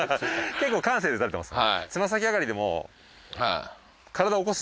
結構感性で打たれてます？